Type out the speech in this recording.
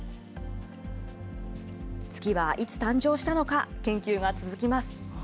月はいつ誕生したのか、研究が続きます。